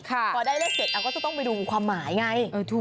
พอได้เลขเสร็จก็จะต้องไปดูความหมายไง